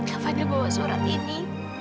kak fadil bawa surat ini